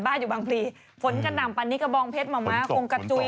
บ้านอยู่บางพรีฝนกำหน่ำปันนี่กะบองเผ็ดหมองม้ำโคงกระจุ๋ย